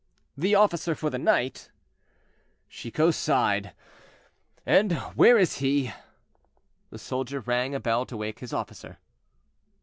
"The officer for the night." Chicot sighed. "And where is he?" The soldier rang a bell to wake his officer.